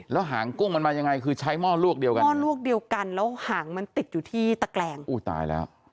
แล้วหางกุ้งมันมายังไงคือใช้หม้อลวกเดียวกันหม้อลวกเดียวกันแล้วหางมันติดอยู่ที่ตะแกรงอุ้ยตายแล้ว